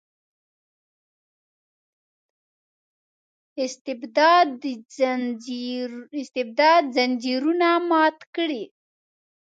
استبداد ځنځیرونه مات کړي.